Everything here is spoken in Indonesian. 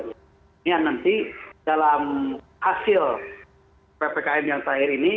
ini yang nanti dalam hasil ppkm yang terakhir ini